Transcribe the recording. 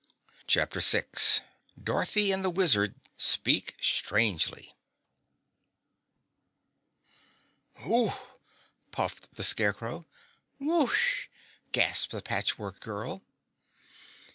CHAPTER 6 Dorothy and the Wizard Speak Strangely "OOOMPH!" puffed the Scarecrow. "Whooosh!" gasped the Patchwork Girl.